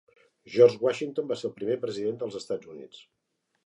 George Washington va ser el primer president dels Estats Units.